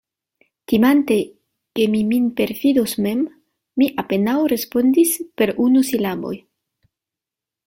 Timante, ke mi min perfidos mem, mi apenaŭ respondis per unusilaboj.